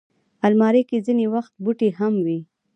الماري کې ځینې وخت بوټي هم وي